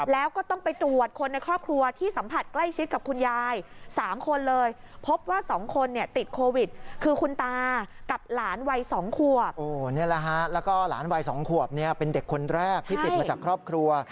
แล้วก็หลานวัย๒ขวบเป็นเด็กคนแรกที่ติดมาจากครอบครัว